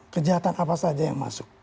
kejahatan apa saja yang masuk